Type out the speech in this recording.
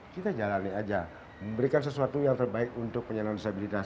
kita jalani aja memberikan sesuatu yang terbaik untuk penyandang disabilitas